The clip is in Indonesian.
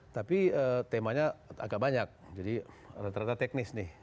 tapi temanya agak banyak jadi rata rata teknis nih